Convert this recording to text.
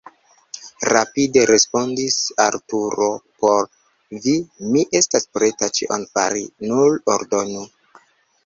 rapide respondis Arturo: por vi mi estas preta ĉion fari, nur ordonu!